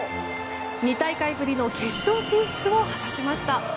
２大会ぶりの決勝進出を果たしました。